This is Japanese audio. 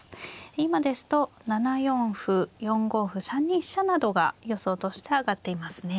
今ですと７四歩４五歩３二飛車などが予想として挙がっていますね。